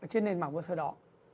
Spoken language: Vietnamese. trên nền mảng vữa sơ đó